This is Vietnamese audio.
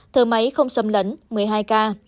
thở máy không xâm lẫn một mươi hai ca